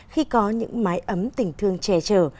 khi có những mái ấm tình thương che chở